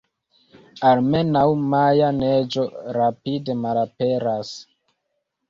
Almenaŭ maja neĝo rapide malaperas!